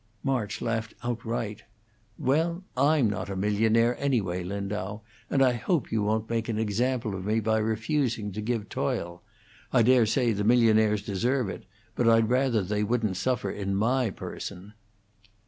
March laughed outright. "Well, I'm not a millionaire, anyway, Lindau, and I hope you won't make an example of me by refusing to give toil. I dare say the millionaires deserve it, but I'd rather they wouldn't suffer in my person."